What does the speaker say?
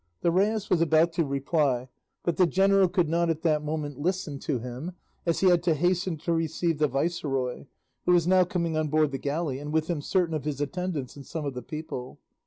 The rais was about to reply, but the general could not at that moment listen to him, as he had to hasten to receive the viceroy, who was now coming on board the galley, and with him certain of his attendants and some of the people.